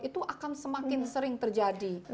itu akan semakin sering terjadi